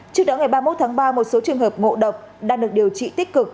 trước đó ngày ba mươi một tháng ba một số trường hợp ngộ độc đang được điều trị tích cực